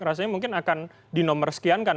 rasanya mungkin akan dinomerskiankan